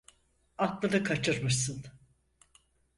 Aklını kaçırmışsın!